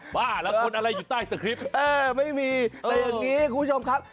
บ้าละคนอะไรอยู่ใต้สคริปไม่มีอย่างนี้คุณผู้ชมครับ